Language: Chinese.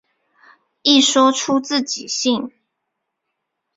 一说出自己姓。